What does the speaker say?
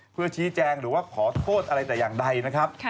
เพื่อชี้แจงหรือว่าขอโทษอะไรแต่อย่างใดนะครับ